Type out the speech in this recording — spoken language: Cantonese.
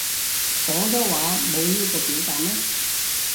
廣州話冇呢個表達咩